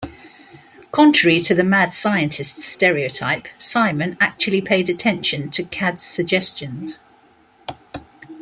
Contrary to the mad scientist stereotype, Simon actually paid attention to Cad's suggestions.